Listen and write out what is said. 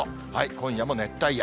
今夜も熱帯夜。